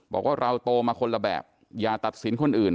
บอกว่าเราโตมาคนละแบบอย่าตัดสินคนอื่น